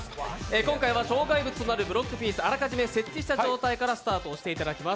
今回は障害物となるブロックピースをあらかじめセットした形でスタートをしていただきます。